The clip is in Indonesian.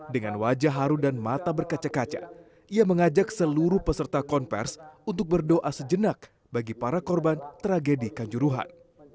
dengan wajah haru dan mata berkaca kaca ia mengajak seluruh peserta konversi untuk berdoa sejenak bagi para korban tragedi kanjuruhan